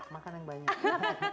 makan yang banyak